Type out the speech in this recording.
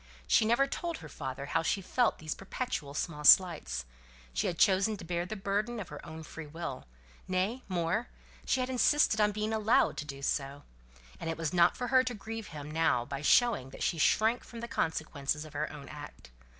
She never told her father how she felt these perpetual small slights: she had chosen to bear the burden of her own free will; nay, more, she had insisted on being allowed to do so; and it was not for her to grieve him now by showing that she shrank from the consequences of her own act.